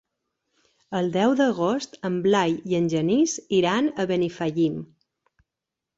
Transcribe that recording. El deu d'agost en Blai i en Genís iran a Benifallim.